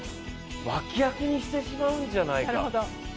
脇役にしてしまうんじゃないかと。